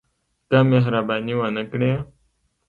که مهرباني ونه کړي.